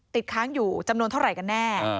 ติดค้างอยู่จำนวนเท่าไหร่กันแน่